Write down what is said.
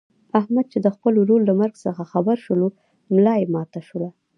احمد چې د خپل ورور له مرګ څخه خبر شولو ملایې ماته شوله.